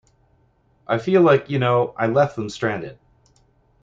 I feel like, you know, I left them stranded.